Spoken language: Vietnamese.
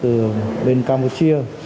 từ bên campuchia